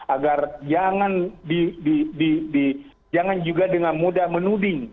agar jangan juga dengan mudah menuding